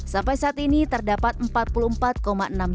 sampai saat ini terdapat masyarakat yang berpikir